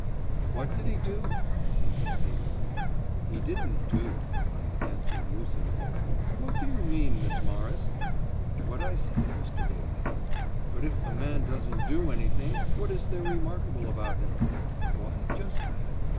"What did he do?" he asked eagerly. "He didn't do," I answered lucidly. "What do you mean, Miss Morris?" "What I say, Mr. Daly." "But if the man doesn't do anything, what is there remarkable about him?" "Why, just that.